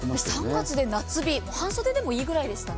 ３月で夏日、半袖でもいいぐらいでしたね。